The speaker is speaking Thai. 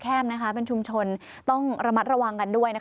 แล้วซอยแคบเป็นชุมชนต้องระมัดระวังกันด้วย